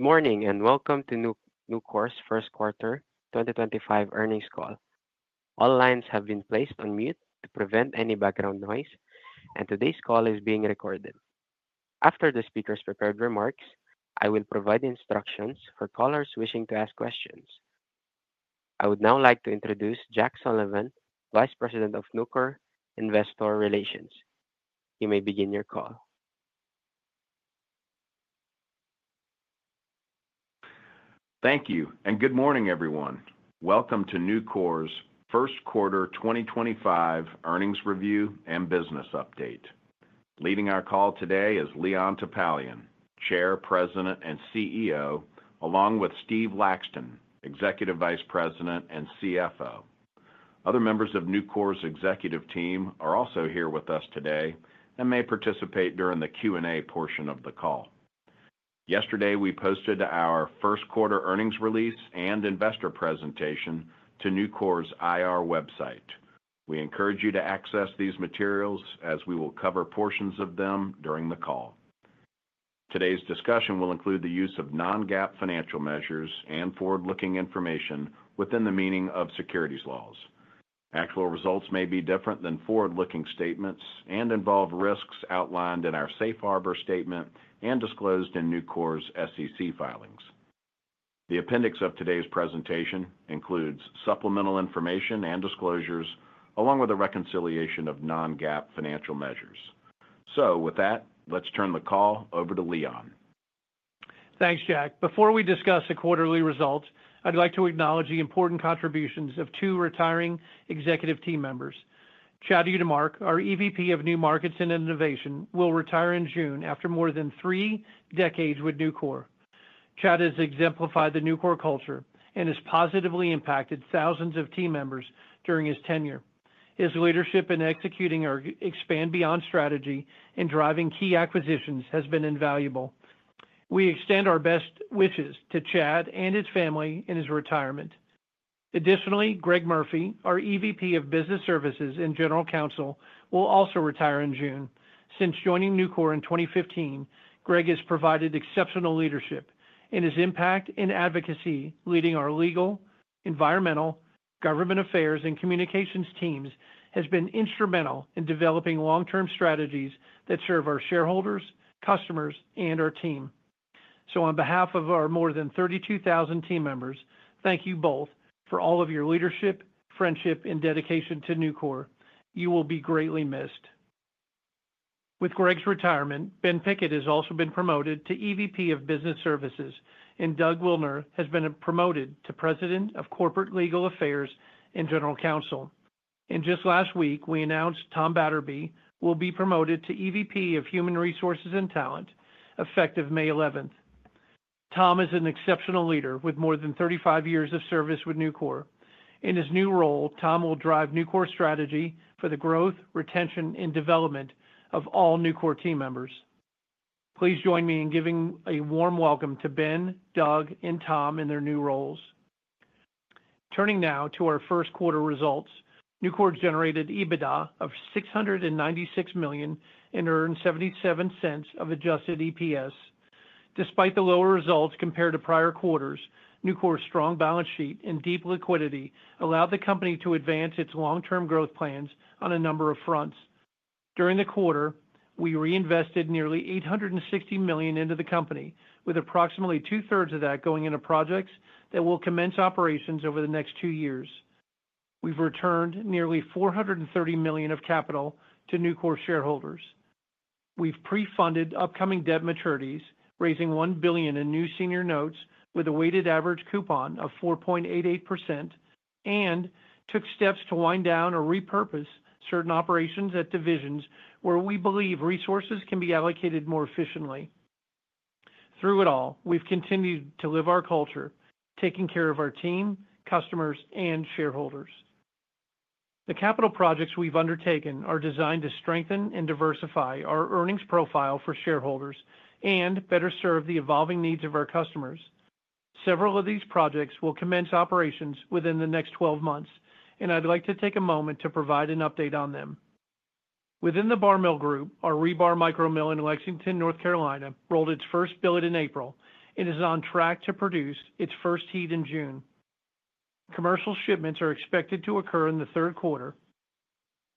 Good morning and welcome to Nucor's first quarter 2025 earnings call. All lines have been placed on mute to prevent any background noise, and today's call is being recorded. After the speaker's prepared remarks, I will provide instructions for callers wishing to ask questions. I would now like to introduce Jack Sullivan, Vice President of Nucor Investor Relations. You may begin your call. Thank you, and good morning, everyone. Welcome to Nucor's first quarter 2025 earnings review and business update. Leading our call today is Leon Topalian, Chair, President, and CEO, along with Steve Laxton, Executive Vice President and CFO. Other members of Nucor's executive team are also here with us today and may participate during the Q&A portion of the call. Yesterday, we posted our first quarter earnings release and investor presentation to Nucor's IR website. We encourage you to access these materials as we will cover portions of them during the call. Today's discussion will include the use of non-GAAP financial measures and forward-looking information within the meaning of securities laws. Actual results may be different than forward-looking statements and involve risks outlined in our Safe Harbor Statement and disclosed in Nucor's SEC filings. The appendix of today's presentation includes supplemental information and disclosures, along with a reconciliation of non-GAAP financial measures. Let's turn the call over to Leon. Thanks, Jack. Before we discuss the quarterly results, I'd like to acknowledge the important contributions of two retiring executive team members. Chad Utermark, our EVP of New Markets and Innovation, will retire in June after more than three decades with Nucor. Chad has exemplified the Nucor culture and has positively impacted thousands of team members during his tenure. His leadership in executing our Expand Beyond strategy and driving key acquisitions has been invaluable. We extend our best wishes to Chad and his family in his retirement. Additionally, Greg Murphy, our EVP of Business Services and General Counsel, will also retire in June. Since joining Nucor in 2015, Greg has provided exceptional leadership, and his impact and advocacy leading our legal, environmental, government affairs, and communications teams has been instrumental in developing long-term strategies that serve our shareholders, customers, and our team. On behalf of our more than 32,000 team members, thank you both for all of your leadership, friendship, and dedication to Nucor. You will be greatly missed. With Greg's retirement, Ben Pickett has also been promoted to EVP of Business Services, and Doug Wilner has been promoted to President of Corporate Legal Affairs and General Counsel. Just last week, we announced Tom Batterbee will be promoted to EVP of Human Resources and Talent effective May 11th. Tom is an exceptional leader with more than 35 years of service with Nucor. In his new role, Tom will drive Nucor's strategy for the growth, retention, and development of all Nucor team members. Please join me in giving a warm welcome to Ben, Doug, and Tom in their new roles. Turning now to our first quarter results, Nucor generated EBITDA of $696 million and earned $0.77 of adjusted EPS. Despite the lower results compared to prior quarters, Nucor's strong balance sheet and deep liquidity allowed the company to advance its long-term growth plans on a number of fronts. During the quarter, we reinvested nearly $860 million into the company, with approximately two-thirds of that going into projects that will commence operations over the next two years. We've returned nearly $430 million of capital to Nucor shareholders. We've pre-funded upcoming debt maturities, raising $1 billion in new senior notes with a weighted average coupon of 4.88%, and took steps to wind down or repurpose certain operations at divisions where we believe resources can be allocated more efficiently. Through it all, we've continued to Live Our Culture, taking care of our team, customers, and shareholders. The capital projects we've undertaken are designed to strengthen and diversify our earnings profile for shareholders and better serve the evolving needs of our customers. Several of these projects will commence operations within the next 12 months, and I'd like to take a moment to provide an update on them. Within the Bar Mill Group, our rebar micromill in Lexington, North Carolina, rolled its first billet in April and is on track to produce its first heat in June. Commercial shipments are expected to occur in the third quarter.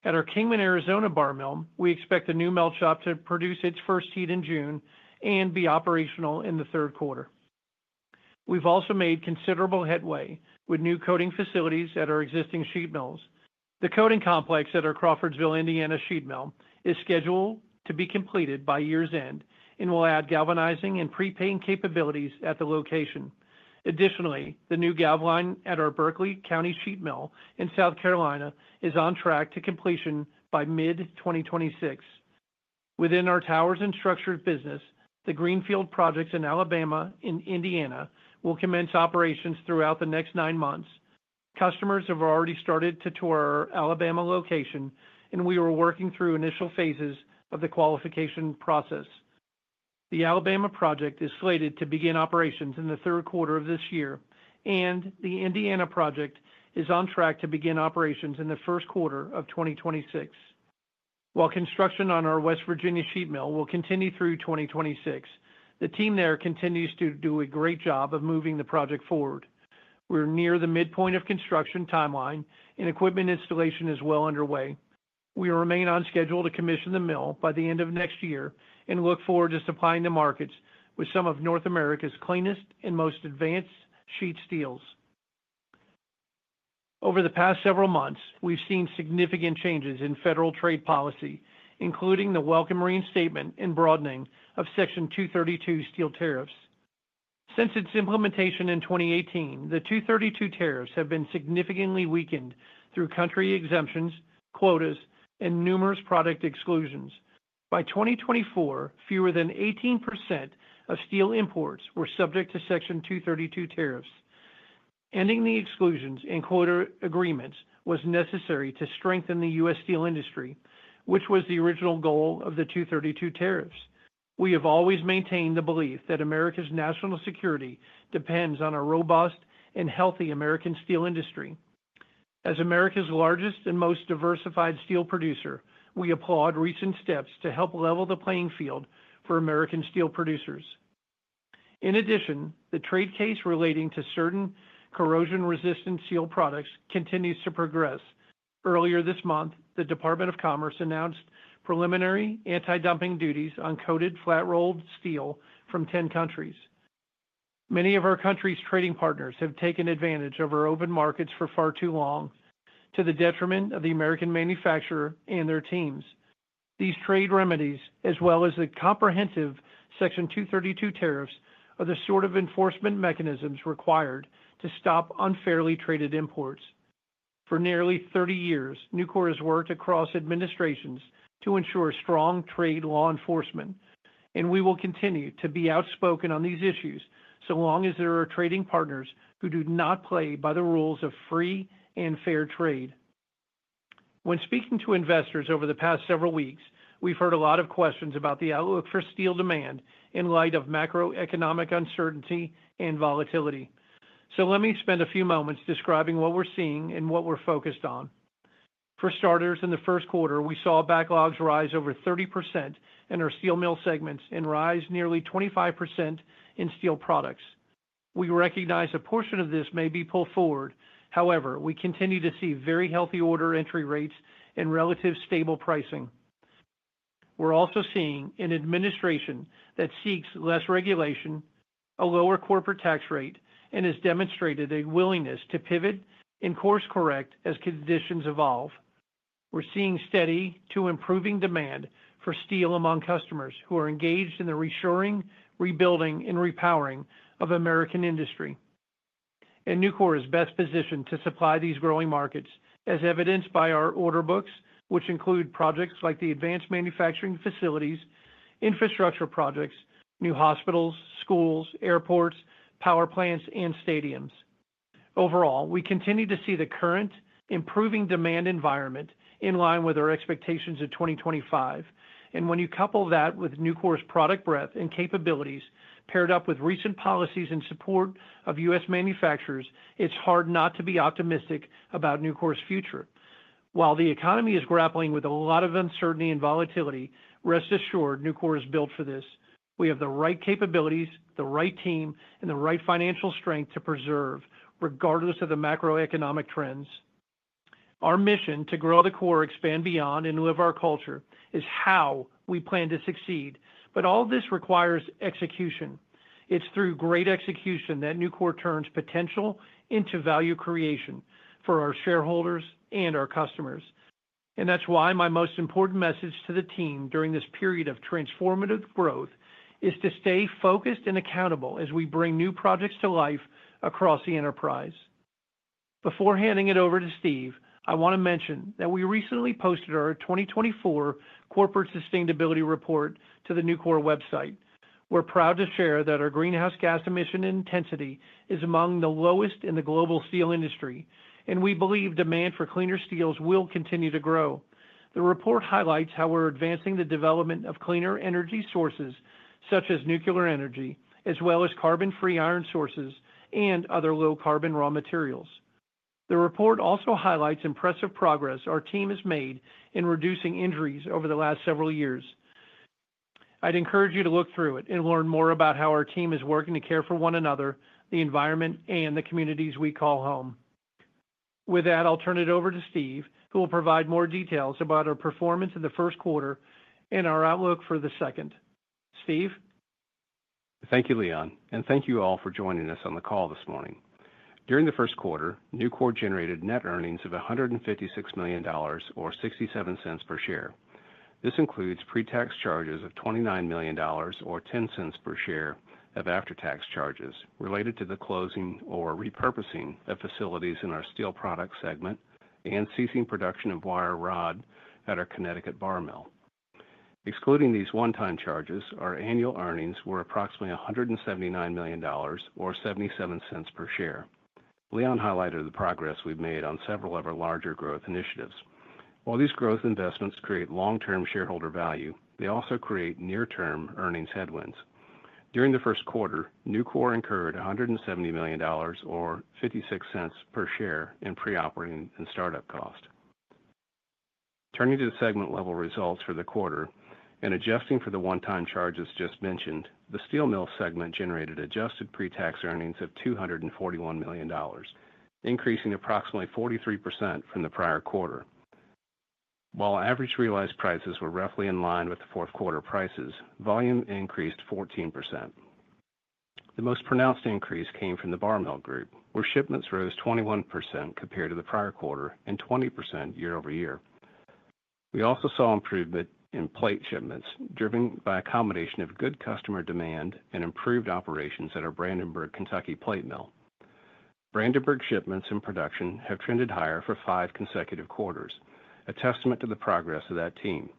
At our Kingman, Arizona bar mill, we expect the new mill shop to produce its first heat in June and be operational in the third quarter. We've also made considerable headway with new coating facilities at our existing sheet mills. The coating complex at our Crawfordsville, Indiana sheet mill is scheduled to be completed by year's end and will add galvanizing and pre-painting capabilities at the location. Additionally, the new galvanizing line at our Berkeley County sheet mill in South Carolina is on track to completion by mid-2026. Within our Towers and Structures business, the greenfield projects in Alabama and Indiana will commence operations throughout the next nine months. Customers have already started to tour our Alabama location, and we are working through initial phases of the qualification process. The Alabama project is slated to begin operations in the third quarter of this year, and the Indiana project is on track to begin operations in the first quarter of 2026. While construction on our West Virginia sheet mill will continue through 2026, the team there continues to do a great job of moving the project forward. We are near the midpoint of construction timeline, and equipment installation is well underway. We remain on schedule to commission the mill by the end of next year and look forward to supplying the markets with some of North America's cleanest and most advanced sheet steels. Over the past several months, we've seen significant changes in federal trade policy, including the welcome reinstatement and broadening of Section 232 steel tariffs. Since its implementation in 2018, the 232 tariffs have been significantly weakened through country exemptions, quotas, and numerous product exclusions. By 2024, fewer than 18% of steel imports were subject to Section 232 tariffs. Ending the exclusions and quota agreements was necessary to strengthen the U.S. steel industry, which was the original goal of the 232 tariffs. We have always maintained the belief that America's national security depends on a robust and healthy American steel industry. As America's largest and most diversified steel producer, we applaud recent steps to help level the playing field for American steel producers. In addition, the trade case relating to certain corrosion-resistant steel products continues to progress. Earlier this month, the Department of Commerce announced preliminary anti-dumping duties on coated flat-rolled steel from 10 countries. Many of our country's trading partners have taken advantage of our open markets for far too long, to the detriment of the American manufacturer and their teams. These trade remedies, as well as the comprehensive Section 232 tariffs, are the sort of enforcement mechanisms required to stop unfairly traded imports. For nearly 30 years, Nucor has worked across administrations to ensure strong trade law enforcement, and we will continue to be outspoken on these issues so long as there are trading partners who do not play by the rules of free and fair trade. When speaking to investors over the past several weeks, we've heard a lot of questions about the outlook for steel demand in light of macroeconomic uncertainty and volatility. Let me spend a few moments describing what we're seeing and what we're focused on. For starters, in the first quarter, we saw backlogs rise over 30% in our steel mill segments and rise nearly 25% in steel products. We recognize a portion of this may be pulled forward. However, we continue to see very healthy order entry rates and relatively stable pricing. We're also seeing an administration that seeks less regulation, a lower corporate tax rate, and has demonstrated a willingness to pivot and course-correct as conditions evolve. We're seeing steady to improving demand for steel among customers who are engaged in the reshoring, rebuilding, and repowering of American industry. Nucor is best positioned to supply these growing markets, as evidenced by our order books, which include projects like the advanced manufacturing facilities, infrastructure projects, new hospitals, schools, airports, power plants, and stadiums. Overall, we continue to see the current improving demand environment in line with our expectations of 2025. When you couple that with Nucor's product breadth and capabilities, paired up with recent policies in support of U.S. manufacturers, it's hard not to be optimistic about Nucor's future. While the economy is grappling with a lot of uncertainty and volatility, rest assured Nucor is built for this. We have the right capabilities, the right team, and the right financial strength to preserve, regardless of the macroeconomic trends. Our mission to Grow the Core, expand beyond, and live our culture is how we plan to succeed. All this requires execution. It's through great execution that Nucor turns potential into value creation for our shareholders and our customers. That is why my most important message to the team during this period of transformative growth is to stay focused and accountable as we bring new projects to life across the enterprise. Before handing it over to Steve, I want to mention that we recently posted our 2024 corporate sustainability report to the Nucor website. We're proud to share that our greenhouse gas emission intensity is among the lowest in the global steel industry, and we believe demand for cleaner steels will continue to grow. The report highlights how we're advancing the development of cleaner energy sources such as nuclear energy, as well as carbon-free iron sources and other low-carbon raw materials. The report also highlights impressive progress our team has made in reducing injuries over the last several years. I'd encourage you to look through it and learn more about how our team is working to care for one another, the environment, and the communities we call home. With that, I'll turn it over to Steve, who will provide more details about our performance in the first quarter and our outlook for the second. Steve? Thank you, Leon, and thank you all for joining us on the call this morning. During the first quarter, Nucor generated net earnings of $156 million or $0.67 per share. This includes pre-tax charges of $29 million or $0.10 per share of after-tax charges related to the closing or repurposing of facilities in our Steel Products Segment and ceasing production of wire rod at our Connecticut bar mill. Excluding these one-time charges, our annual earnings were approximately $179 million or $0.77 per share. Leon highlighted the progress we've made on several of our larger growth initiatives. While these growth investments create long-term shareholder value, they also create near-term earnings headwinds. During the first quarter, Nucor incurred $170 million or $0.56 per share in pre-operating and startup cost. Turning to the segment-level results for the quarter, and adjusting for the one-time charges just mentioned, the Steel Mills segment generated adjusted pre-tax earnings of $241 million, increasing approximately 43% from the prior quarter. While average realized prices were roughly in line with the fourth quarter prices, volume increased 14%. The most pronounced increase came from the bar mill group, where shipments rose 21% compared to the prior quarter and 20% year over year. We also saw improvement in plate shipments, driven by a combination of good customer demand and improved operations at our Brandenburg, Kentucky plate mill. Brandenburg shipments and production have trended higher for five consecutive quarters, a testament to the progress of that team.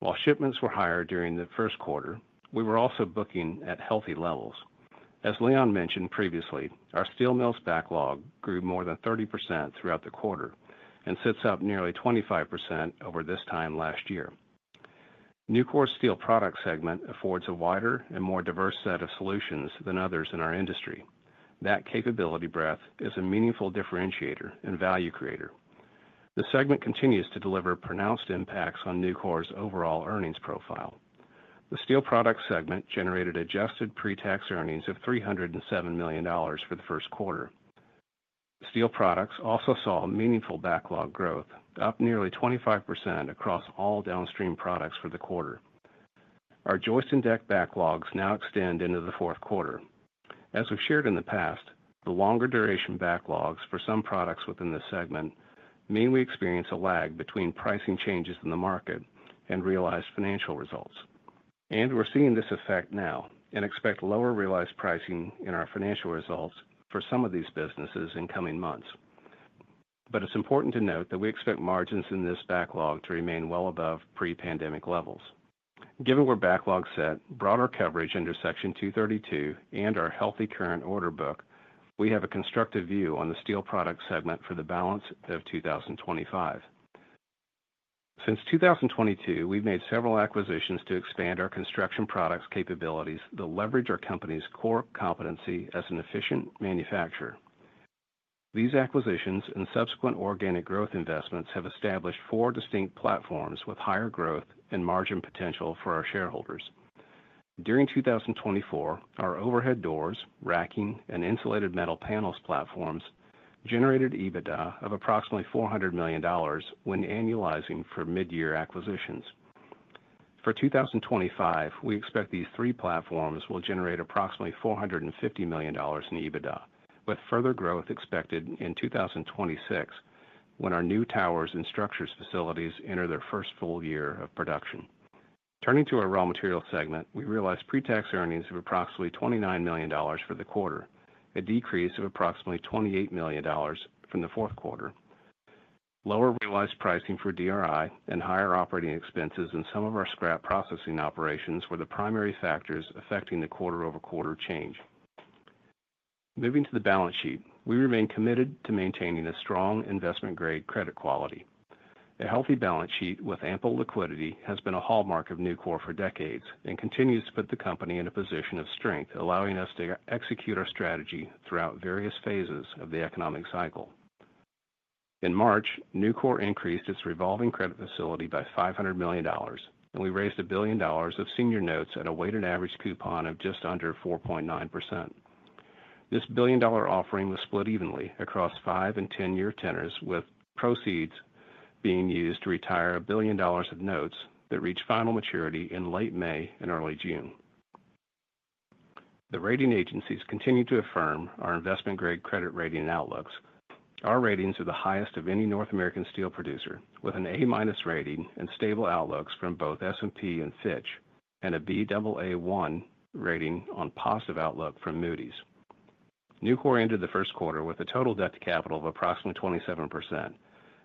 While shipments were higher during the first quarter, we were also booking at healthy levels. As Leon mentioned previously, our steel mill's backlog grew more than 30% throughout the quarter and sits up nearly 25% over this time last year. Nucor's Steel Products segment affords a wider and more diverse set of solutions than others in our industry. That capability breadth is a meaningful differentiator and value creator. The segment continues to deliver pronounced impacts on Nucor's overall earnings profile. The Steel Products segment generated adjusted pre-tax earnings of $307 million for the first quarter. Steel products also saw meaningful backlog growth, up nearly 25% across all downstream products for the quarter. Our joist and deck backlogs now extend into the fourth quarter. As we've shared in the past, the longer duration backlogs for some products within this segment mean we experience a lag between pricing changes in the market and realized financial results. We're seeing this effect now and expect lower realized pricing in our financial results for some of these businesses in coming months. It's important to note that we expect margins in this backlog to remain well above pre-pandemic levels. Given where backlog set, broader coverage under Section 232 and our healthy current order book, we have a constructive view on the Steel Products segment for the balance of 2025. Since 2022, we've made several acquisitions to expand our construction products capabilities to leverage our company's core competency as an efficient manufacturer. These acquisitions and subsequent organic growth investments have established four distinct platforms with higher growth and margin potential for our shareholders. During 2024, our overhead doors, racking, and insulated metal panels platforms generated EBITDA of approximately $400 million when annualizing for mid-year acquisitions. For 2025, we expect these three platforms will generate approximately $450 million in EBITDA, with further growth expected in 2026 when our new towers and structures facilities enter their first full year of production. Turning to our Raw Materials Segment, we realized pre-tax earnings of approximately $29 million for the quarter, a decrease of approximately $28 million from the fourth quarter. Lower realized pricing for DRI and higher operating expenses in some of our scrap processing operations were the primary factors affecting the quarter-over-quarter change. Moving to the balance sheet, we remain committed to maintaining a strong investment-grade credit quality. A healthy balance sheet with ample liquidity has been a hallmark of Nucor for decades and continues to put the company in a position of strength, allowing us to execute our strategy throughout various phases of the economic cycle. In March, Nucor increased its revolving credit facility by $500 million, and we raised a billion dollars of senior notes at a weighted average coupon of just under 4.9%. This billion-dollar offering was split evenly across five and ten-year tenors, with proceeds being used to retire a billion dollars of notes that reach final maturity in late May and early June. The rating agencies continue to affirm our investment-grade credit rating outlooks. Our ratings are the highest of any North American steel producer, with an A-minus rating and stable outlooks from both S&P and Fitch, and a Baa1 rating on positive outlook from Moody's. Nucor ended the first quarter with a total debt to capital of approximately 27%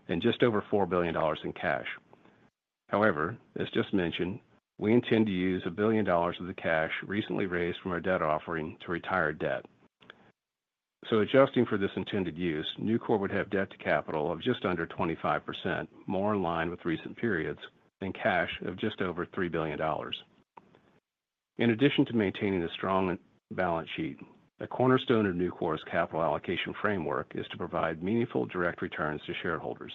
and just over $4 billion in cash. However, as just mentioned, we intend to use a billion dollars of the cash recently raised from our debt offering to retire debt. Adjusting for this intended use, Nucor would have debt to capital of just under 25%, more in line with recent periods, and cash of just over $3 billion. In addition to maintaining a strong balance sheet, a cornerstone of Nucor's capital allocation framework is to provide meaningful direct returns to shareholders.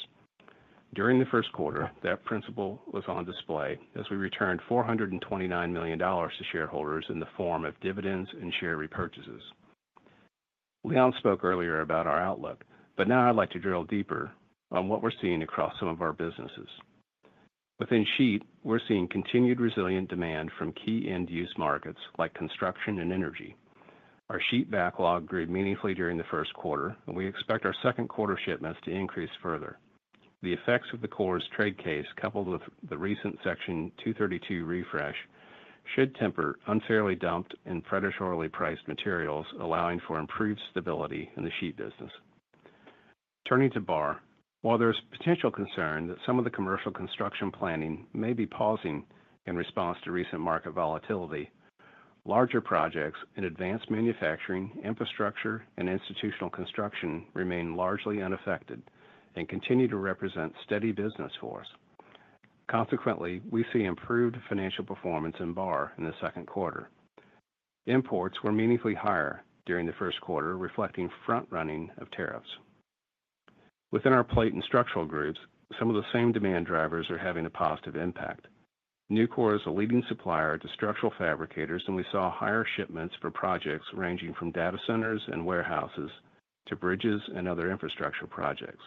During the first quarter, that principle was on display as we returned $429 million to shareholders in the form of dividends and share repurchases. Leon spoke earlier about our outlook, but now I'd like to drill deeper on what we're seeing across some of our businesses. Within sheet, we're seeing continued resilient demand from key end-use markets like construction and energy. Our sheet backlog grew meaningfully during the first quarter, and we expect our second quarter shipments to increase further. The effects of the core's trade case, coupled with the recent Section 232 refresh, should temper unfairly dumped and predatorily priced materials, allowing for improved stability in the sheet business. Turning to bar, while there is potential concern that some of the commercial construction planning may be pausing in response to recent market volatility, larger projects in advanced manufacturing, infrastructure, and institutional construction remain largely unaffected and continue to represent steady business force. Consequently, we see improved financial performance in bar in the second quarter. Imports were meaningfully higher during the first quarter, reflecting front-running of tariffs. Within our plate and structural groups, some of the same demand drivers are having a positive impact. Nucor is a leading supplier to structural fabricators, and we saw higher shipments for projects ranging from data centers and warehouses to bridges and other infrastructure projects.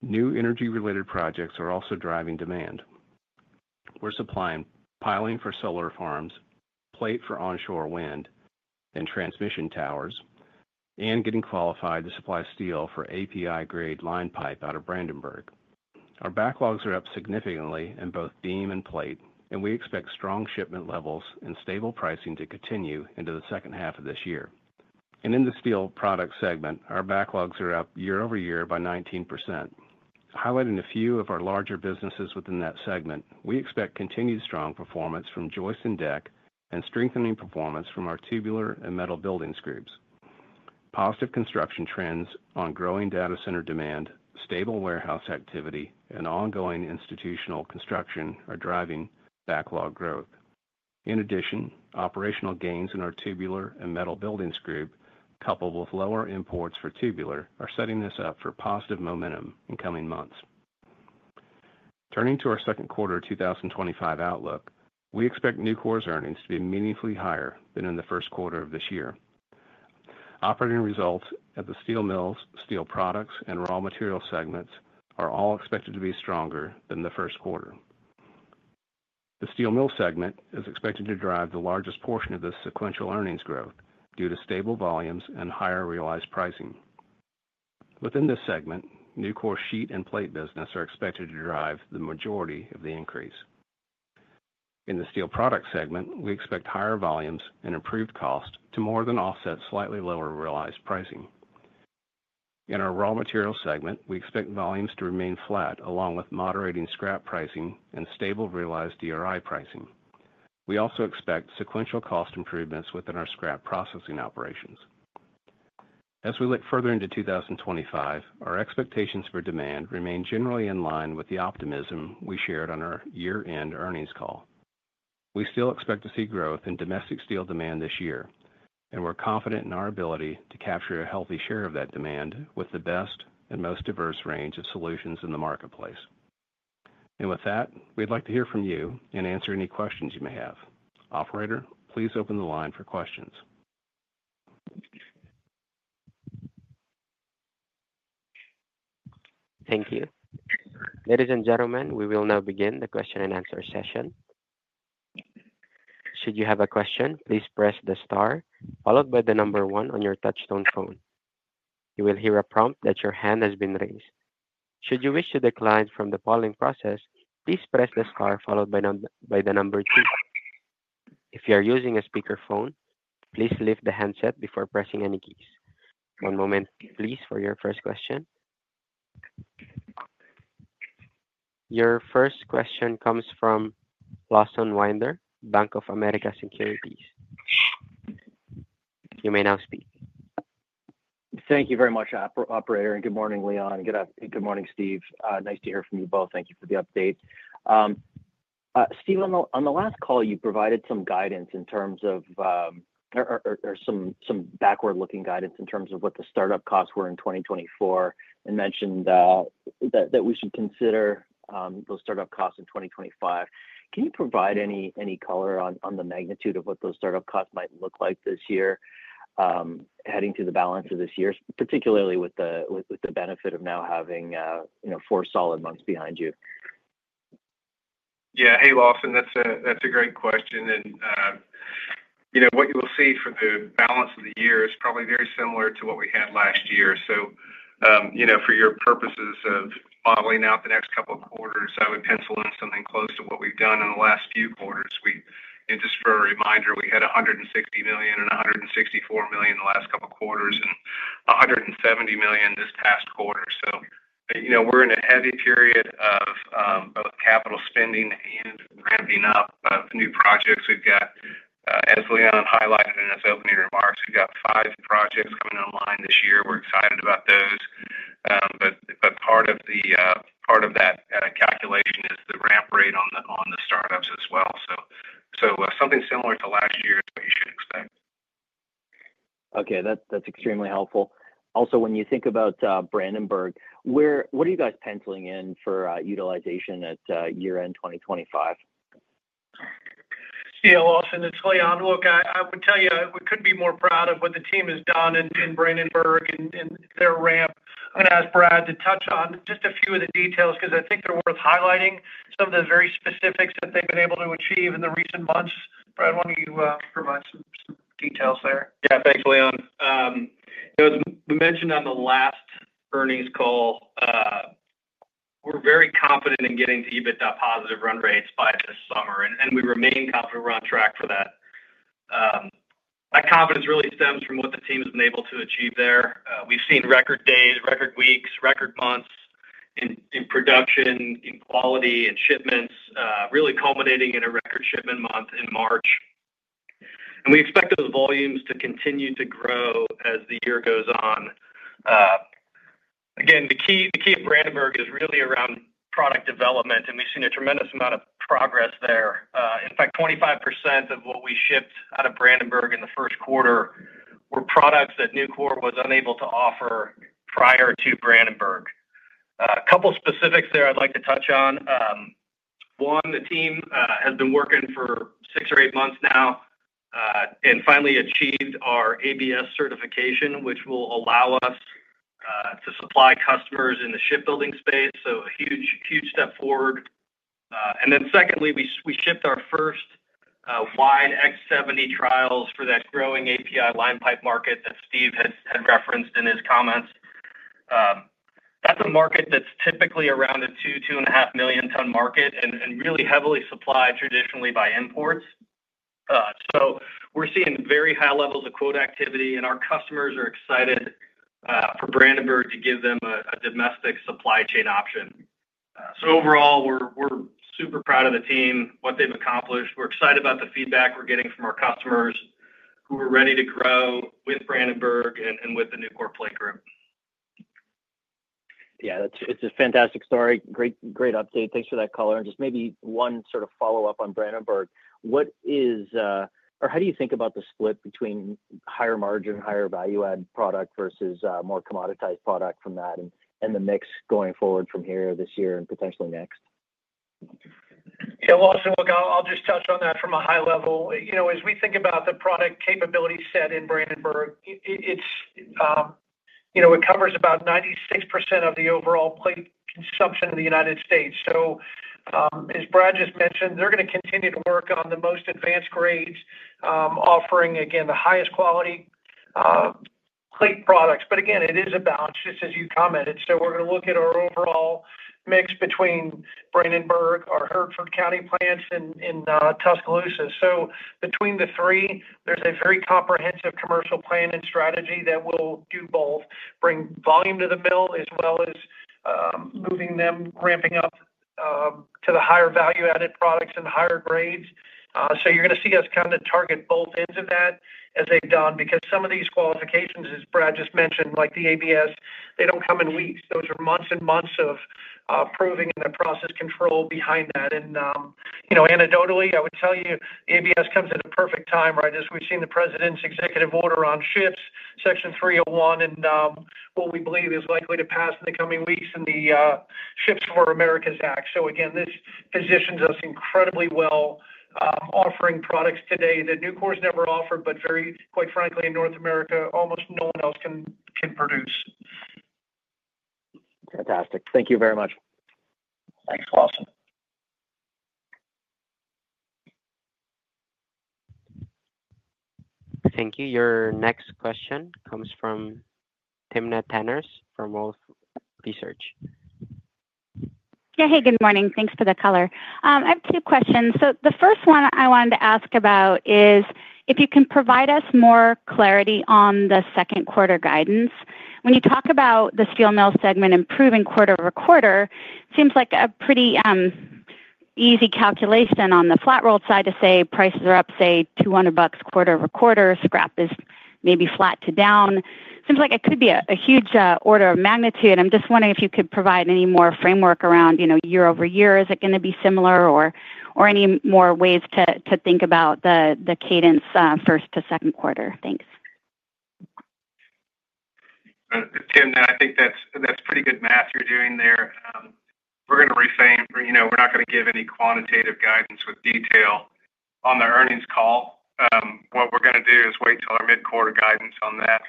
New energy-related projects are also driving demand. We're supplying piling for solar farms, plate for onshore wind and transmission towers, and getting qualified to supply steel for API-grade line pipe out of Brandenburg. Our backlogs are up significantly in both beam and plate, and we expect strong shipment levels and stable pricing to continue into the second half of this year. In the Steel Products segment, our backlogs are up year over year by 19%. Highlighting a few of our larger businesses within that segment, we expect continued strong performance from joist and deck and strengthening performance from our Tubular and Metal Buildings groups. Positive construction trends on growing data center demand, stable warehouse activity, and ongoing institutional construction are driving backlog growth. In addition, operational gains in our tubular and metal buildings group, coupled with lower imports for tubular, are setting this up for positive momentum in coming months. Turning to our second quarter 2025 outlook, we expect Nucor's earnings to be meaningfully higher than in the first quarter of this year. Operating results at the steel mills, steel products, and raw material segments are all expected to be stronger than the first quarter. The steel mill segment is expected to drive the largest portion of this sequential earnings growth due to stable volumes and higher realized pricing. Within this segment, Nucor's sheet and plate business are expected to drive the majority of the increase. In the Steel Products segment, we expect higher volumes and improved cost to more than offset slightly lower realized pricing. In our raw material segment, we expect volumes to remain flat along with moderating scrap pricing and stable realized DRI pricing. We also expect sequential cost improvements within our scrap processing operations. As we look further into 2025, our expectations for demand remain generally in line with the optimism we shared on our year-end earnings call. We still expect to see growth in domestic steel demand this year, and we're confident in our ability to capture a healthy share of that demand with the best and most diverse range of solutions in the marketplace. With that, we'd like to hear from you and answer any questions you may have. Operator, please open the line for questions. Thank you. Ladies and gentlemen, we will now begin the question and answer session. Should you have a question, please press the star followed by the number one on your touch-tone phone. You will hear a prompt that your hand has been raised. Should you wish to decline from the following process, please press the star followed by the number two. If you are using a speakerphone, please lift the handset before pressing any keys. One moment, please, for your first question. Your first question comes from Lawson Winder, Bank of America Securities. You may now speak. Thank you very much, Operator, and good morning, Leon, and good morning, Steve. Nice to hear from you both. Thank you for the update. Steve, on the last call, you provided some guidance in terms of or some backward-looking guidance in terms of what the startup costs were in 2024 and mentioned that we should consider those startup costs in 2025. Can you provide any color on the magnitude of what those startup costs might look like this year, heading to the balance of this year, particularly with the benefit of now having four solid months behind you? Yeah. Hey, Lawson, that's a great question. What you will see for the balance of the year is probably very similar to what we had last year. For your purposes of modeling out the next couple of quarters, I would pencil in something close to what we've done in the last few quarters. Just for a reminder, we had $160 million and $164 million in the last couple of quarters and $170 million this past quarter. We're in a heavy period of both capital spending and ramping up new projects. We've got, as Leon highlighted in his opening remarks, five projects coming online this year. We're excited about those. Part of that calculation is the ramp rate on the startups as well. Something similar to last year is what you should expect. Okay. That's extremely helpful. Also, when you think about Brandenburg, what are you guys penciling in for utilization at year-end 2025? Yeah, Lawson, it's Leon's look. I would tell you we couldn't be more proud of what the team has done in Brandenburg and their ramp. I'm going to ask Brad to touch on just a few of the details because I think they're worth highlighting, some of the very specifics that they've been able to achieve in the recent months. Brad, why don't you provide some details there? Yeah, thanks, Leon. We mentioned on the last earnings call, we're very confident in getting to EBITDA positive run rates by this summer, and we remain confident we're on track for that. That confidence really stems from what the team has been able to achieve there. We've seen record days, record weeks, record months in production, in quality, in shipments, really culminating in a record shipment month in March. We expect those volumes to continue to grow as the year goes on. Again, the key of Brandenburg is really around product development, and we've seen a tremendous amount of progress there. In fact, 25% of what we shipped out of Brandenburg in the first quarter were products that Nucor was unable to offer prior to Brandenburg. A couple of specifics there I'd like to touch on. One, the team has been working for six or eight months now and finally achieved our ABS certification, which will allow us to supply customers in the shipbuilding space. A huge step forward. Secondly, we shipped our first wide X70 trials for that growing API line pipe market that Steve had referenced in his comments. That's a market that's typically around a two-2.5 million ton market and really heavily supplied traditionally by imports. We're seeing very high levels of quote activity, and our customers are excited for Brandenburg to give them a domestic supply chain option. Overall, we're super proud of the team, what they've accomplished. We're excited about the feedback we're getting from our customers who are ready to grow with Brandenburg and with the Nucor Plate Group. Yeah, it's a fantastic story. Great update. Thanks for that color. Just maybe one sort of follow-up on Brandenburg. What is, or how do you think about the split between higher margin, higher value-add product versus more commoditized product from that and the mix going forward from here this year and potentially next? Yeah, Lawson, look, I'll just touch on that from a high level. As we think about the product capability set in Brandenburg, it covers about 96% of the overall plate consumption in the United States. As Brad just mentioned, they're going to continue to work on the most advanced grades, offering, again, the highest quality plate products. It is a balance, just as you commented. We're going to look at our overall mix between Brandenburg, our Hertford County plants, and Tuscaloosa. Between the three, there's a very comprehensive commercial plan and strategy that will do both, bring volume to the mill as well as moving them, ramping up to the higher value-added products and higher grades. You're going to see us kind of target both ends of that as they've done because some of these qualifications, as Brad just mentioned, like the ABS, they don't come in weeks. Those are months and months of proving and the process control behind that. Anecdotally, I would tell you ABS comes at a perfect time, right? As we've seen the president's executive order on ships, Section 301, and what we believe is likely to pass in the coming weeks in the Ships for America Act. This positions us incredibly well, offering products today that Nucor's never offered, but very, quite frankly, in North America, almost no one else can produce. Fantastic. Thank you very much. Thanks, Lawson. Thank you. Your next question comes from Timna Tanners from Wolfe Research. Yeah. Hey, good morning. Thanks for the color. I have two questions. The first one I wanted to ask about is if you can provide us more clarity on the second quarter guidance. When you talk about the steel mill segment improving quarter over quarter, it seems like a pretty easy calculation on the flat rolled side to say prices are up, say, $200 quarter over quarter, scrap is maybe flat to down. Seems like it could be a huge order of magnitude. I'm just wondering if you could provide any more framework around year over year. Is it going to be similar or any more ways to think about the cadence first to second quarter? Thanks. Timna, I think that's pretty good math you're doing there. We're going to reframe. We're not going to give any quantitative guidance with detail on the earnings call. What we're going to do is wait till our mid-quarter guidance on that.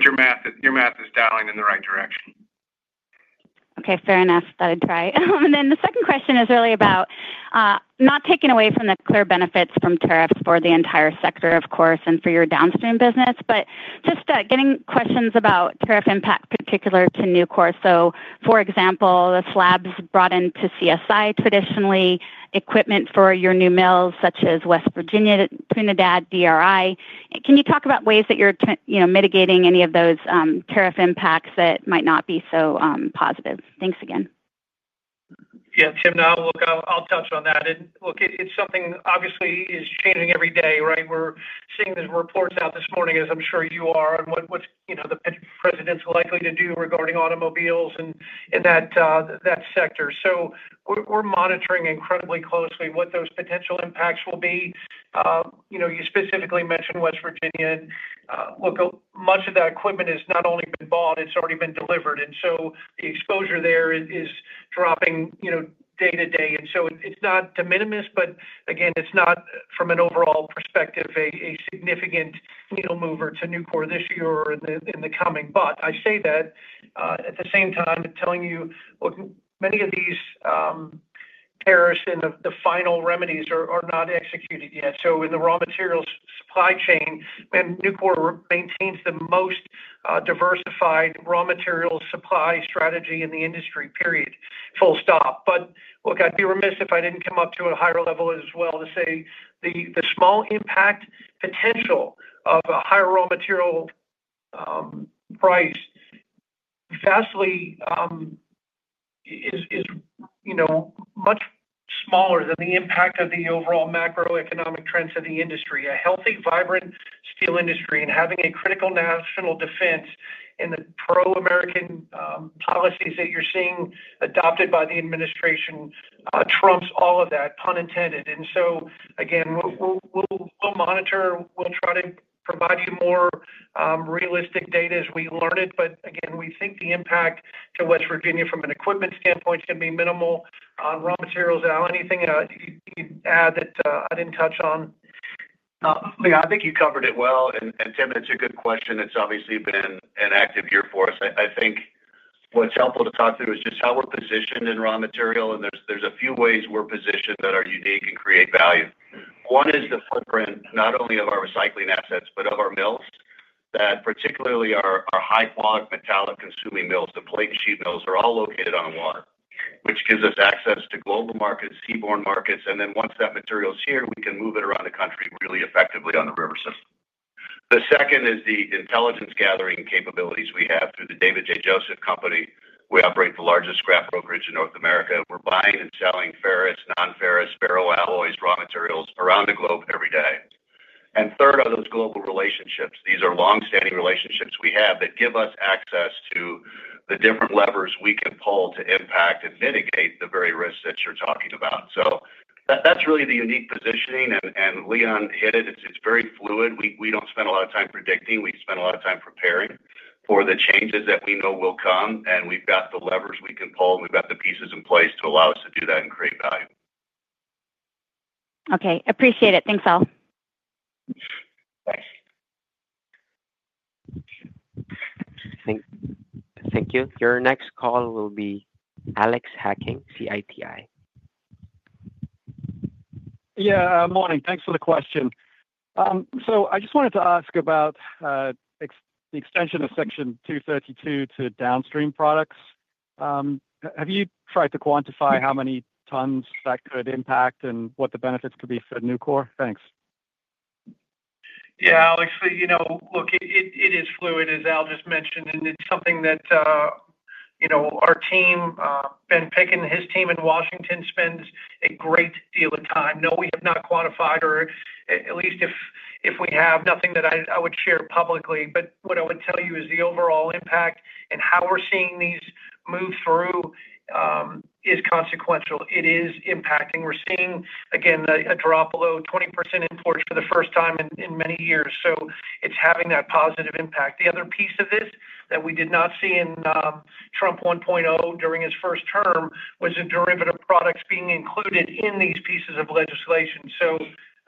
Your math is dialing in the right direction. Okay. Fair enough. That'd try. The second question is really about not taking away from the clear benefits from tariffs for the entire sector, of course, and for your downstream business, just getting questions about tariff impact particular to Nucor. For example, the slabs brought into CSI traditionally, equipment for your new mills such as West Virginia, Trinidad, DRI. Can you talk about ways that you're mitigating any of those tariff impacts that might not be so positive? Thanks again. Yeah. Timna, I'll touch on that. Look, it's something obviously is changing every day, right? We're seeing these reports out this morning, as I'm sure you are, on what the president's likely to do regarding automobiles in that sector. We're monitoring incredibly closely what those potential impacts will be. You specifically mentioned West Virginia. Much of that equipment has not only been bought, it's already been delivered. The exposure there is dropping day to day. It's not de minimis, but again, it's not, from an overall perspective, a significant needle mover to Nucor this year or in the coming. I say that at the same time, telling you, look, many of these tariffs and the final remedies are not executed yet. In the raw materials supply chain, Nucor maintains the most diversified raw materials supply strategy in the industry, period. Full stop. Look, I'd be remiss if I didn't come up to a higher level as well to say the small impact potential of a higher raw material price is much smaller than the impact of the overall macroeconomic trends of the industry. A healthy, vibrant steel industry and having a critical national defense and the pro-American policies that you're seeing adopted by the administration trumps all of that, pun intended. Again, we'll monitor. We'll try to provide you more realistic data as we learn it. Again, we think the impact to West Virginia from an equipment standpoint is going to be minimal on raw materials. Al, anything you'd add that I didn't touch on? I think you covered it well. Timna, it's a good question. It's obviously been an active year for us. I think what's helpful to talk through is just how we're positioned in raw material. There's a few ways we're positioned that are unique and create value. One is the footprint, not only of our recycling assets, but of our mills, that particularly our high-quality metallic-consuming mills, the plate and sheet mills, are all located on water, which gives us access to global markets, seaborne markets. Once that material's here, we can move it around the country really effectively on the river system. The second is the intelligence-gathering capabilities we have through the David J. Joseph Company. We operate the largest scrap brokerage in North America. We're buying and selling ferrous, non-ferrous, ferroalloys raw materials around the globe every day. Third are those global relationships. These are long-standing relationships we have that give us access to the different levers we can pull to impact and mitigate the very risks that you're talking about. That's really the unique positioning. Leon hit it. It's very fluid. We don't spend a lot of time predicting. We spend a lot of time preparing for the changes that we know will come. We've got the levers we can pull, and we've got the pieces in place to allow us to do that and create value. Okay. Appreciate it. Thanks, Al. Thanks. Thank you. Your next call will be Alex Hacking, Citi. Yeah. Morning. Thanks for the question. I just wanted to ask about the extension of Section 232 to downstream products. Have you tried to quantify how many tons that could impact and what the benefits could be for Nucor? Thanks. Yeah, Alex. Look, it is fluid, as Al just mentioned, and it's something that our team, Ben Pickett, his team in Washington, spends a great deal of time. No, we have not quantified, or at least if we have, nothing that I would share publicly. What I would tell you is the overall impact and how we're seeing these move through is consequential. It is impacting. We're seeing, again, a drop below 20% imports for the first time in many years. It's having that positive impact. The other piece of this that we did not see in Trump 1.0 during his first term was the derivative products being included in these pieces of legislation.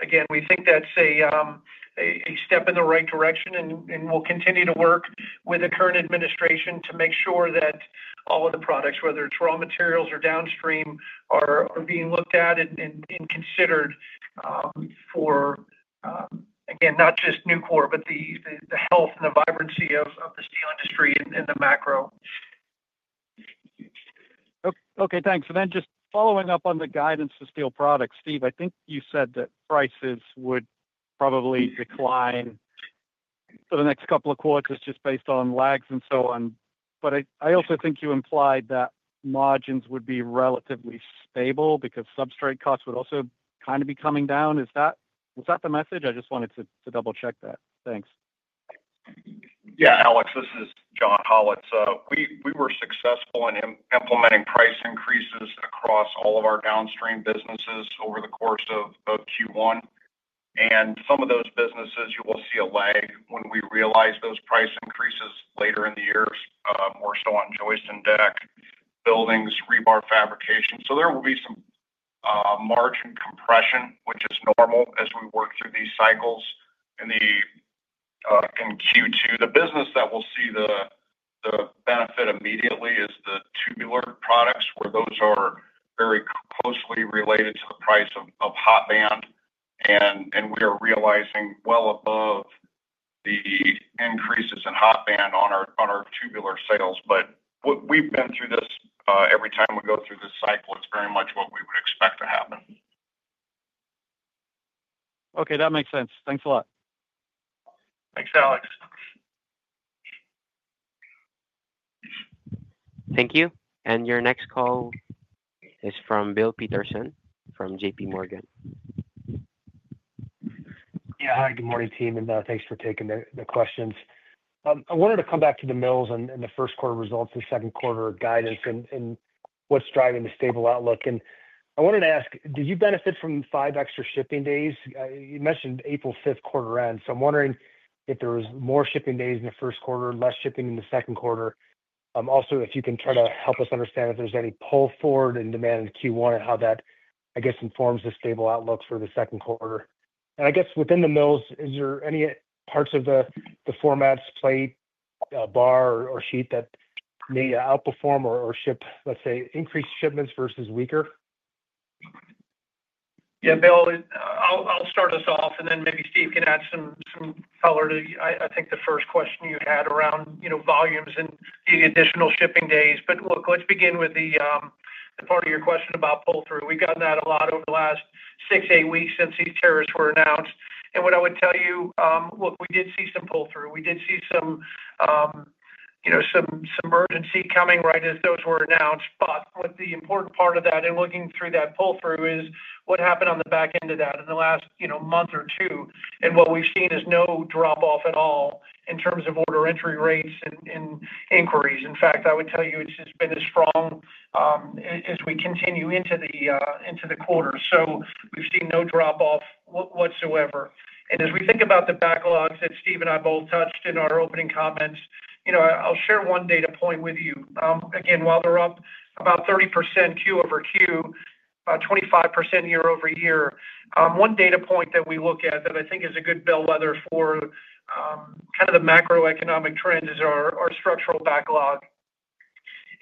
Again, we think that's a step in the right direction, and we'll continue to work with the current administration to make sure that all of the products, whether it's raw materials or downstream, are being looked at and considered for, again, not just Nucor, but the health and the vibrancy of the steel industry and the macro. Okay. Thanks. Just following up on the guidance for steel products, Steve, I think you said that prices would probably decline for the next couple of quarters just based on lags and so on. I also think you implied that margins would be relatively stable because substrate costs would also kind of be coming down. Is that the message? I just wanted to double-check that. Thanks. Yeah, Alex, this is John Hollatz. We were successful in implementing price increases across all of our downstream businesses over the course of Q1. In some of those businesses, you will see a lag when we realize those price increases later in the year. We're still on joist and deck, buildings, rebar fabrication. There will be some margin compression, which is normal as we work through these cycles in Q2. The business that will see the benefit immediately is the tubular products, where those are very closely related to the price of hot band. We are realizing well above the increases in hot band on our tubular sales. We have been through this every time we go through this cycle. It is very much what we would expect to happen. Okay. That makes sense. Thanks a lot. Thanks, Alex. Thank you. Your next call is from Bill Peterson from JPMorgan. Yeah. Hi, good morning, team. Thanks for taking the questions. I wanted to come back to the mills and the first quarter results, the second quarter guidance, and what's driving the stable outlook. I wanted to ask, did you benefit from five extra shipping days? You mentioned April 5th quarter end. I'm wondering if there were more shipping days in the first quarter, less shipping in the second quarter. Also, if you can try to help us understand if there's any pull forward in demand in Q1 and how that, I guess, informs the stable outlook for the second quarter. I guess within the mills, is there any parts of the formats, plate, bar, or sheet that may outperform or ship, let's say, increased shipments versus weaker? Yeah, Bill, I'll start us off, and then maybe Steve can add some color to, I think, the first question you had around volumes and the additional shipping days. Look, let's begin with the part of your question about pull-through. We've gotten that a lot over the last six to eight weeks since these tariffs were announced. What I would tell you, look, we did see some pull-through. We did see some emergency coming right as those were announced. The important part of that, and looking through that pull-through, is what happened on the back end of that in the last month or two. What we've seen is no drop-off at all in terms of order entry rates and inquiries. In fact, I would tell you it's been as strong as we continue into the quarter. We've seen no drop-off whatsoever. As we think about the backlogs that Steve and I both touched in our opening comments, I'll share one data point with you. Again, while they're up about 30% Q over Q, about 25% year over year, one data point that we look at that I think is a good bellwether for kind of the macroeconomic trend is our structural backlog.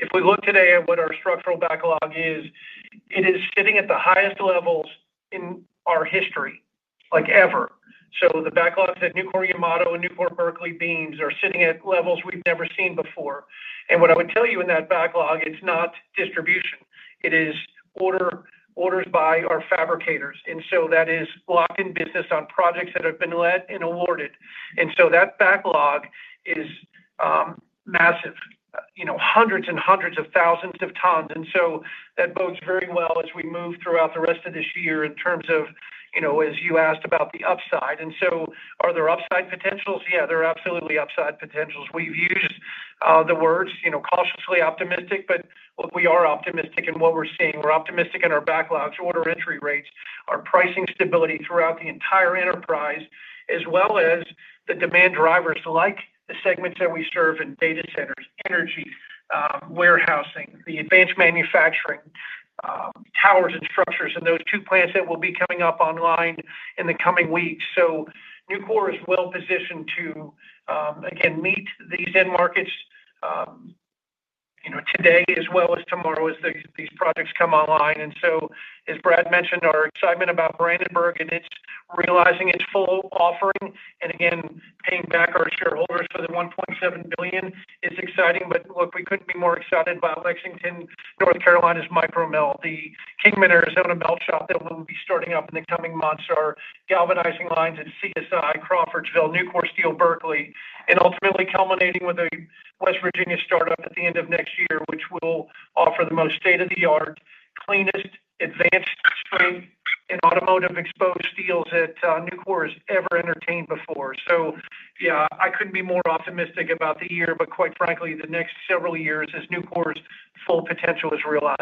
If we look today at what our structural backlog is, it is sitting at the highest levels in our history ever. The backlogs at Nucor Yamato and Nucor Berkeley beams are sitting at levels we've never seen before. What I would tell you in that backlog, it's not distribution. It is orders by our fabricators. That is locked in business on projects that have been led and awarded. That backlog is massive, hundreds and hundreds of thousands of tons. That bodes very well as we move throughout the rest of this year in terms of, as you asked about the upside. Are there upside potentials? Yeah, there are absolutely upside potentials. We've used the words cautiously optimistic, but look, we are optimistic in what we're seeing. We're optimistic in our backlogs, order entry rates, our pricing stability throughout the entire enterprise, as well as the demand drivers like the segments that we serve in data centers, energy, warehousing, the advanced manufacturing, towers, and structures, and those two plants that will be coming up online in the coming weeks. Nucor is well positioned to, again, meet these end markets today as well as tomorrow as these projects come online. As Brad mentioned, our excitement about Brandenburg and realizing its full offering and, again, paying back our shareholders for the $1.7 billion is exciting. Look, we couldn't be more excited by Lexington, North Carolina's micromill, the Kingman, Arizona melt shop that we'll be starting up in the coming months, our galvanizing lines at CSI, Crawfordsville, Nucor, Steel Berkeley, and ultimately culminating with a West Virginia startup at the end of next year, which will offer the most state-of-the-art, cleanest, advanced-strength and automotive exposed steels that Nucor has ever entertained before. Yeah, I couldn't be more optimistic about the year, but quite frankly, the next several years as Nucor's full potential is realized.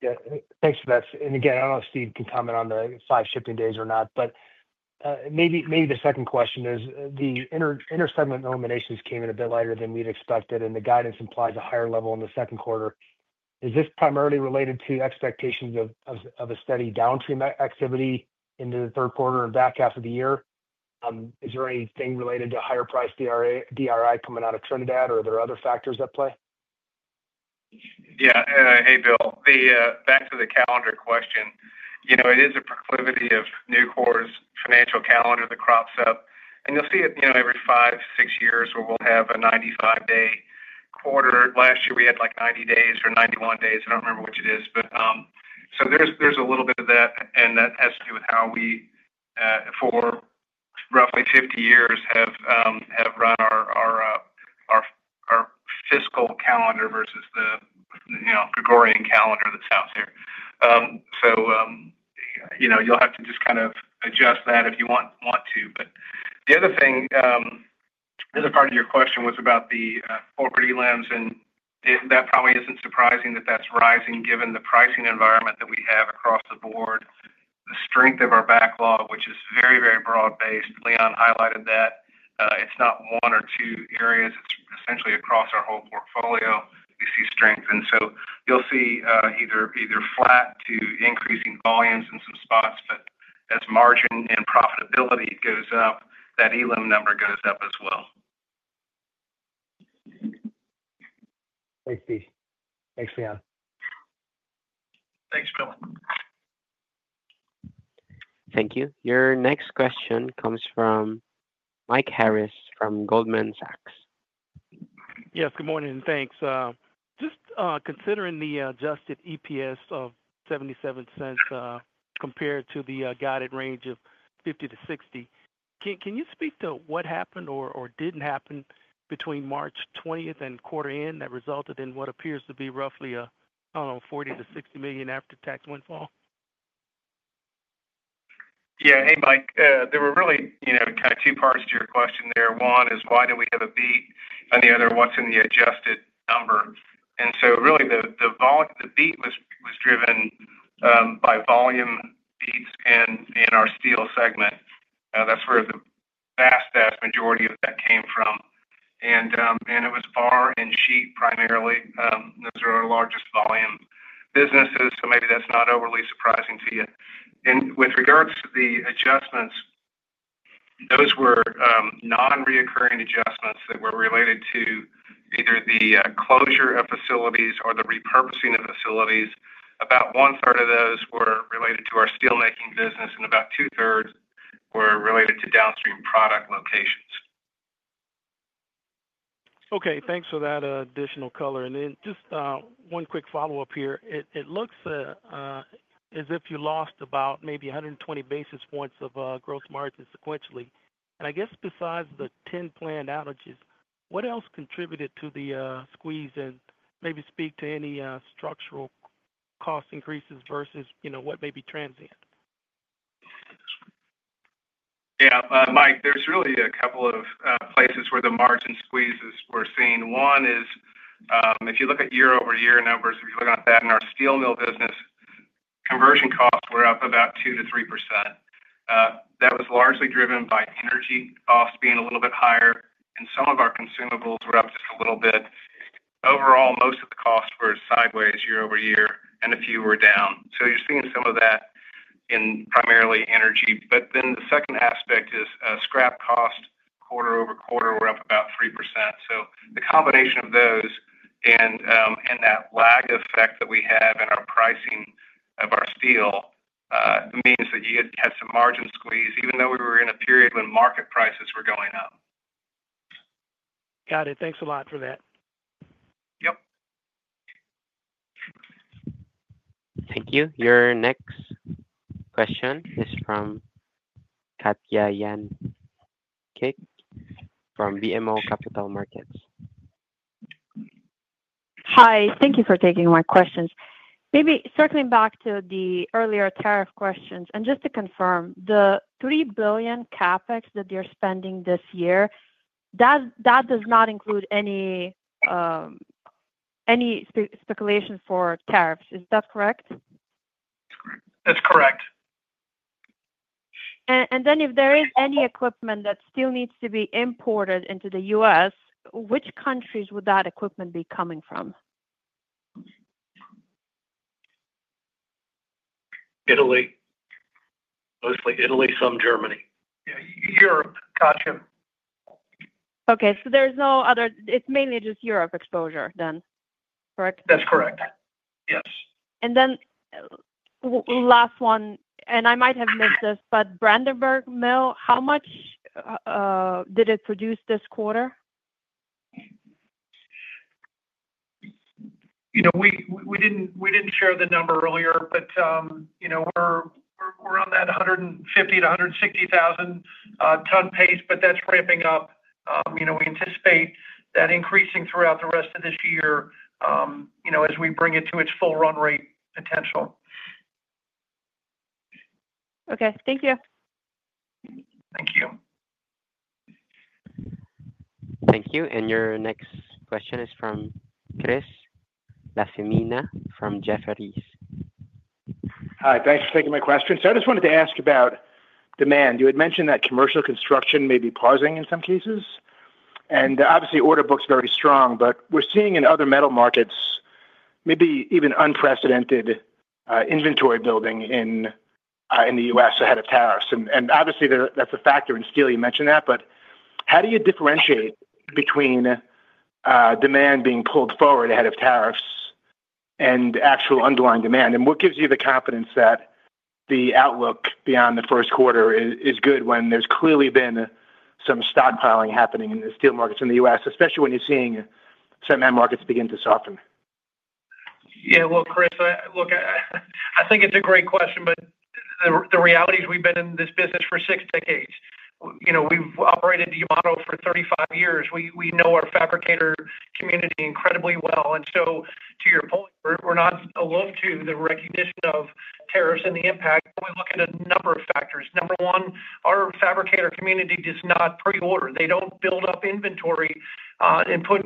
Yeah. Thanks, Ben. I don't know if Steve can comment on the five shipping days or not, but maybe the second question is the inter-segment eliminations came in a bit later than we'd expected, and the guidance implies a higher level in the second quarter. Is this primarily related to expectations of a steady downstream activity into the third quarter and back half of the year? Is there anything related to higher price DRI coming out of Trinidad, or are there other factors at play? Yeah. Hey, Bill. Back to the calendar question. It is a proclivity of Nucor's financial calendar that crops up. You'll see it every five, six years where we'll have a 95-day quarter. Last year, we had like 90 days or 91 days. I don't remember which it is. There's a little bit of that, and that has to do with how we, for roughly 50 years, have run our fiscal calendar versus the Gregorian calendar that's out there. You'll have to just kind of adjust that if you want to. The other thing, the other part of your question was about the corporate elims, and that probably isn't surprising that that's rising given the pricing environment that we have across the board. The strength of our backlog, which is very, very broad-based. Leon highlighted that. It's not one or two areas. It's essentially across our whole portfolio. We see strength. You will see either flat to increasing volumes in some spots, but as margin and profitability goes up, that ELM number goes up as well. Thanks, Steve. Thanks, Leon. Thanks, Bill. Thank you. Your next question comes from Mike Harris from Goldman Sachs. Yes. Good morning. Thanks. Just considering the adjusted EPS of $0.77 compared to the guided range of $0.50-$0.60, can you speak to what happened or did not happen between March 20th and quarter end that resulted in what appears to be roughly, I do not know, $40 million-$60 million after-tax windfall? Yeah. Hey, Mike. There were really kind of two parts to your question there. One is, why did we have a beat? The other, what's in the adjusted number? Really, the beat was driven by volume beats in our steel segment. That's where the vast, vast majority of that came from. It was bar and sheet primarily. Those are our largest volume businesses, so maybe that's not overly surprising to you. With regards to the adjustments, those were non-recurring adjustments that were related to either the closure of facilities or the repurposing of facilities. About one-third of those were related to our steelmaking business, and about two-thirds were related to downstream product locations. Okay. Thanks for that additional color. Just one quick follow-up here. It looks as if you lost about maybe 120 basis points of gross margin sequentially. I guess besides the 10 planned outages, what else contributed to the squeeze? Maybe speak to any structural cost increases versus what may be transient. Yeah. Mike, there's really a couple of places where the margin squeezes were seen. One is, if you look at year-over-year numbers, if you look at that in our steel mill business, conversion costs were up about 2-3%. That was largely driven by energy costs being a little bit higher, and some of our consumables were up just a little bit. Overall, most of the costs were sideways year-over-year, and a few were down. You are seeing some of that in primarily energy. The second aspect is scrap cost quarter over quarter were up about 3%. The combination of those and that lag effect that we have in our pricing of our steel means that you had some margin squeeze, even though we were in a period when market prices were going up. Got it. Thanks a lot for that. Yep. Thank you. Your next question is from Katja Jancic from BMO Capital Markets. Hi. Thank you for taking my questions. Maybe circling back to the earlier tariff questions, and just to confirm, the $3 billion CAPEX that they're spending this year, that does not include any speculation for tariffs. Is that correct? That's correct. If there is any equipment that still needs to be imported into the U.S., which countries would that equipment be coming from? Italy. Mostly Italy, some Germany. Europe. Gotcha. Okay. There's no other, it's mainly just Europe exposure then, correct? That's correct. Yes. Last one, and I might have missed this, but Brandenburg mill, how much did it produce this quarter? We didn't share the number earlier, but we're on that 150,000-160,000 ton pace, but that's ramping up. We anticipate that increasing throughout the rest of this year as we bring it to its full run rate potential. Okay. Thank you. Thank you. Thank you. Your next question is from Chris LaFemina from Jefferies. Hi. Thanks for taking my question. I just wanted to ask about demand. You had mentioned that commercial construction may be pausing in some cases. Obviously, order book's very strong, but we're seeing in other metal markets maybe even unprecedented inventory building in the U.S. ahead of tariffs. Obviously, that's a factor in steel. You mentioned that. How do you differentiate between demand being pulled forward ahead of tariffs and actual underlying demand? What gives you the confidence that the outlook beyond the first quarter is good when there's clearly been some stockpiling happening in the steel markets in the U.S., especially when you're seeing some end markets begin to soften? Yeah. Chris, look, I think it's a great question, but the reality is we've been in this business for six decades. We've operated the model for 35 years. We know our fabricator community incredibly well. To your point, we're not aloof to the recognition of tariffs and the impact. We look at a number of factors. Number one, our fabricator community does not pre-order. They don't build up inventory and put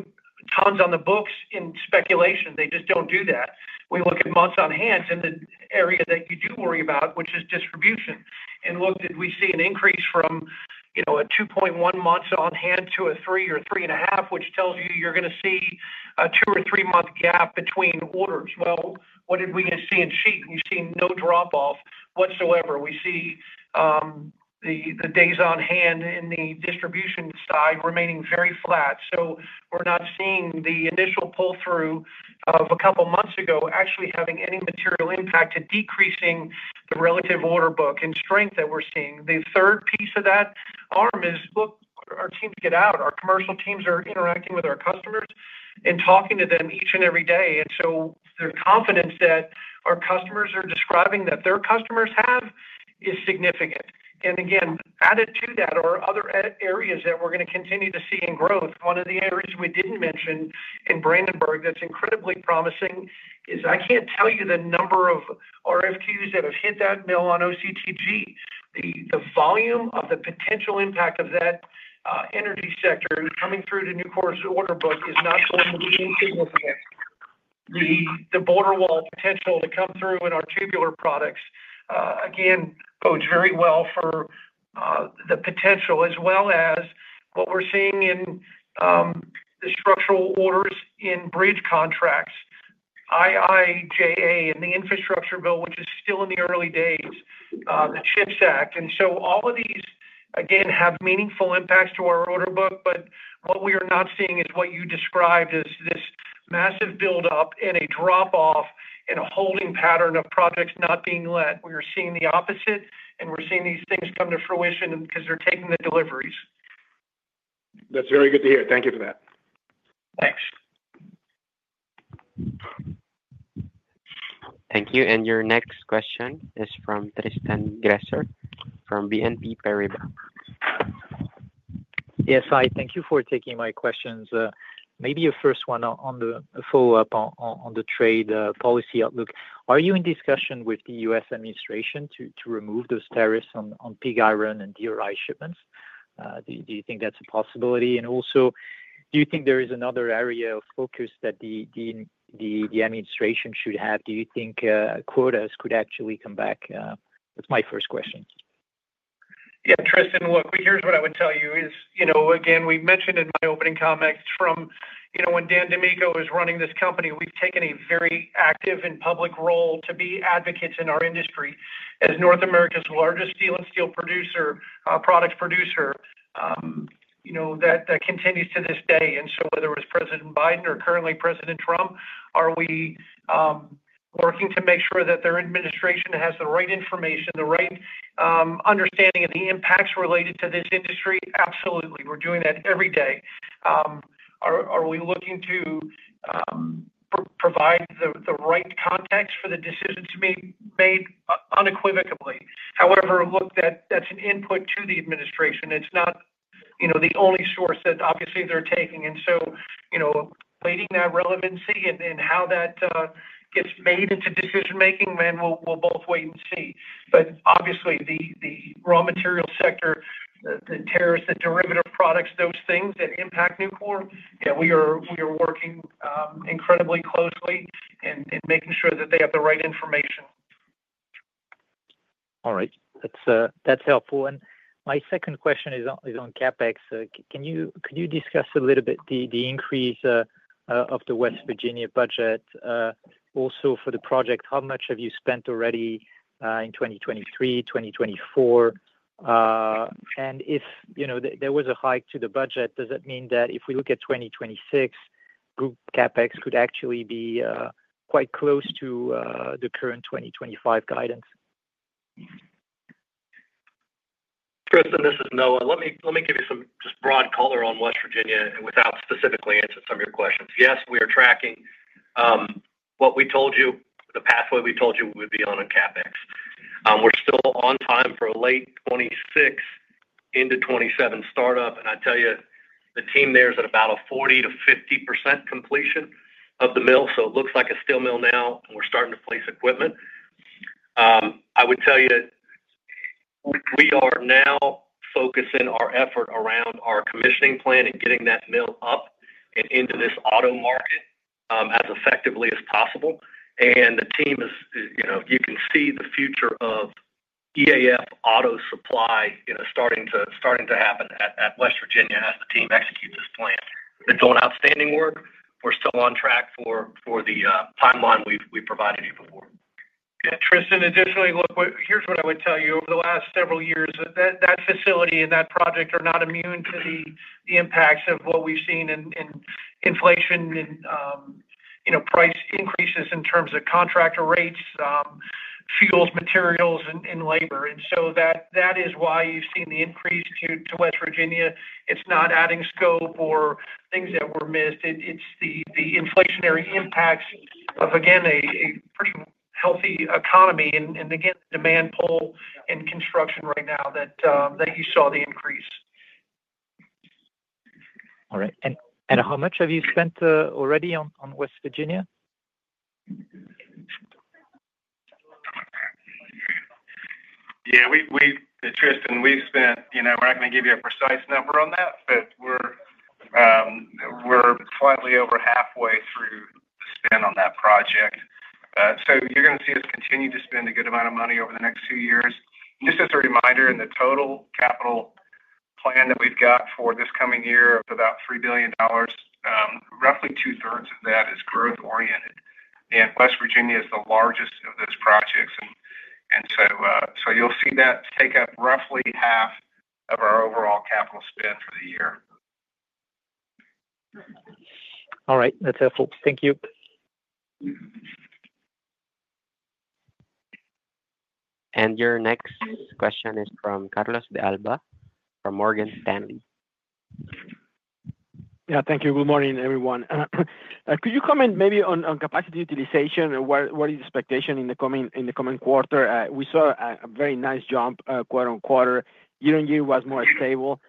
tons on the books in speculation. They just don't do that. We look at months on hand in the area that you do worry about, which is distribution. Did we see an increase from 2.1 months on hand to 3 or 3.5, which tells you you're going to see a 2-3 month gap between orders? What did we see in sheet? We've seen no drop-off whatsoever. We see the days on hand in the distribution side remaining very flat. We are not seeing the initial pull-through of a couple of months ago actually having any material impact to decreasing the relative order book and strength that we are seeing. The third piece of that arm is, look, our teams get out. Our commercial teams are interacting with our customers and talking to them each and every day. Their confidence that our customers are describing that their customers have is significant. Again, added to that are other areas that we are going to continue to see in growth. One of the areas we did not mention in Brandenburg that is incredibly promising is I cannot tell you the number of RFQs that have hit that mill on OCTG. The volume of the potential impact of that energy sector coming through to Nucor's order book is not going to be insignificant. The border wall potential to come through in our tubular products, again, bodes very well for the potential, as well as what we're seeing in the structural orders in bridge contracts, IIJA, and the infrastructure bill, which is still in the early days, the CHIPS Act. All of these, again, have meaningful impacts to our order book. What we are not seeing is what you described as this massive buildup and a drop-off and a holding pattern of projects not being let. We are seeing the opposite, and we're seeing these things come to fruition because they're taking the deliveries. That's very good to hear. Thank you for that. Thanks. Thank you. Your next question is from Tristan Gresser from BNP Paribas. Yes. Hi. Thank you for taking my questions. Maybe a first one on the follow-up on the trade policy outlook. Are you in discussion with the U.S. administration to remove those tariffs on pig iron and DRI shipments? Do you think that's a possibility? Do you think there is another area of focus that the administration should have? Do you think quotas could actually come back? That's my first question. Yeah. Tristan, look, here's what I would tell you is, again, we mentioned in my opening comments from when Dan DiMicco was running this company, we've taken a very active and public role to be advocates in our industry as North America's largest steel and steel producer that continues to this day. Whether it was President Biden or currently President Trump, are we working to make sure that their administration has the right information, the right understanding of the impacts related to this industry? Absolutely. We're doing that every day. Are we looking to provide the right context for the decisions made unequivocally? However, look, that's an input to the administration. It's not the only source that obviously they're taking. Weighting that relevancy and how that gets made into decision-making, man, we'll both wait and see. Obviously, the raw material sector, the tariffs, the derivative products, those things that impact Nucor, yeah, we are working incredibly closely in making sure that they have the right information. All right. That's helpful. My second question is on CAPEX. Can you discuss a little bit the increase of the West Virginia budget also for the project? How much have you spent already in 2023, 2024? If there was a hike to the budget, does that mean that if we look at 2026, CAPEX could actually be quite close to the current 2025 guidance? Tristan, this is Noah. Let me give you some just broad color on West Virginia without specifically answering some of your questions. Yes, we are tracking what we told you, the pathway we told you would be on CapEx. We're still on time for a late 2026 into 2027 startup. I tell you, the team there is at about a 40-50% completion of the mill. It looks like a steel mill now, and we're starting to place equipment. I would tell you, we are now focusing our effort around our commissioning plan and getting that mill up and into this auto market as effectively as possible. The team is, you can see the future of EAF auto supply starting to happen at West Virginia as the team executes this plan. They're doing outstanding work. We're still on track for the timeline we've provided you before. Yeah. Tristan, additionally, look, here's what I would tell you. Over the last several years, that facility and that project are not immune to the impacts of what we've seen in inflation and price increases in terms of contractor rates, fuels, materials, and labor. That is why you've seen the increase to West Virginia. It's not adding scope or things that were missed. It's the inflationary impacts of, again, a pretty healthy economy and, again, the demand pull in construction right now that you saw the increase. All right. How much have you spent already on West Virginia? Yeah. Tristan, we've spent—we're not going to give you a precise number on that, but we're slightly over halfway through the spend on that project. You are going to see us continue to spend a good amount of money over the next few years. Just as a reminder, in the total capital plan that we've got for this coming year of about $3 billion, roughly two-thirds of that is growth-oriented. West Virginia is the largest of those projects. You will see that take up roughly half of our overall capital spend for the year. All right. That's helpful. Thank you. Your next question is from Carlos De Alba from Morgan Stanley. Yeah. Thank you. Good morning, everyone. Could you comment maybe on capacity utilization? What is the expectation in the coming quarter? We saw a very nice jump quarter on quarter. Year on year was more stable.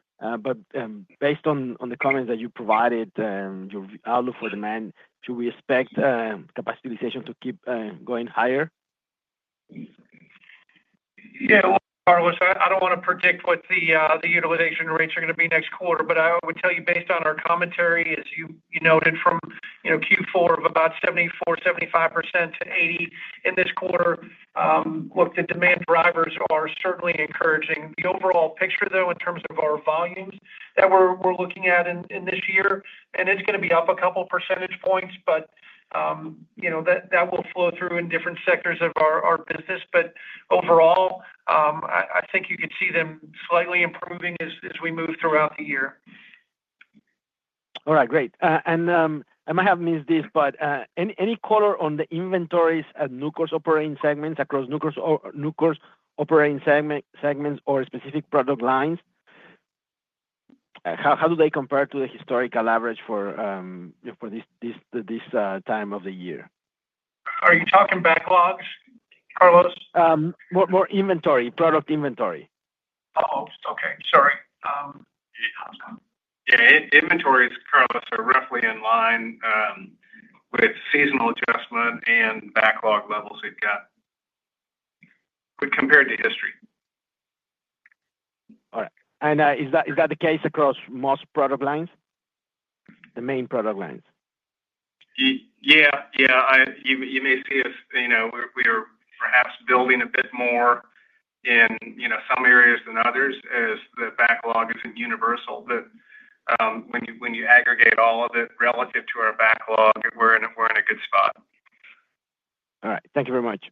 Based on the comments that you provided, your outlook for demand, should we expect capacity utilization to keep going higher? Yeah. Carlos, I don't want to predict what the utilization rates are going to be next quarter, but I would tell you, based on our commentary, as you noted from Q4 of about 74-75% to 80% in this quarter, look, the demand drivers are certainly encouraging. The overall picture, though, in terms of our volumes that we're looking at in this year, and it's going to be up a couple of percentage points, that will flow through in different sectors of our business. Overall, I think you could see them slightly improving as we move throughout the year. All right. Great. I might have missed this, but any color on the inventories at Nucor's operating segments, across Nucor's operating segments or specific product lines? How do they compare to the historical average for this time of the year? Are you talking backlogs, Carlos? More inventory, product inventory. Oh, okay. Sorry. Yeah. Inventories, Carlos, are roughly in line with seasonal adjustment and backlog levels they've got compared to history. All right. Is that the case across most product lines, the main product lines? Yeah. Yeah. You may see us, we are perhaps building a bit more in some areas than others as the backlog isn't universal. But when you aggregate all of it relative to our backlog, we're in a good spot. All right. Thank you very much.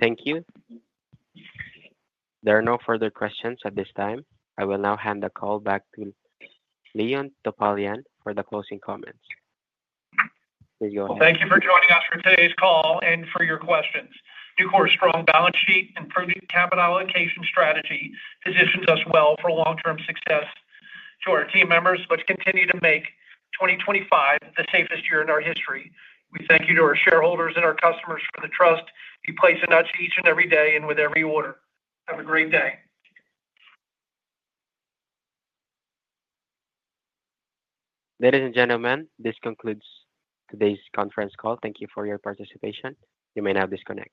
Thank you. There are no further questions at this time. I will now hand the call back to Leon Topalian for the closing comments. Please go ahead. Thank you for joining us for today's call and for your questions. Nucor's strong balance sheet and prudent capital allocation strategy positions us well for long-term success. To our team members, let's continue to make 2025 the safest year in our history. We thank you to our shareholders and our customers for the trust you place in us each and every day and with every order. Have a great day. Ladies and gentlemen, this concludes today's conference call. Thank you for your participation. You may now disconnect.